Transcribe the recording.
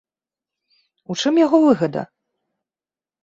У чым яго выгада?